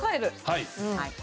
はい。